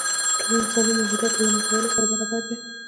د ټولو انساني معاهداتو له ماتولو سره برابر دی.